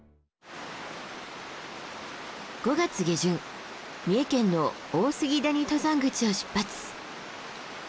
５月下旬三重県の大杉谷登山口を出発。